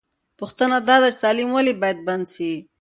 پوښتنه دا ده چې تعلیم ولې باید بند سي؟